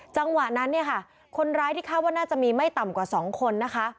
จังหวะนั้นคนร้ายที่เข้าว่าน่าจะมีไม่ต่ำกว่า๒คน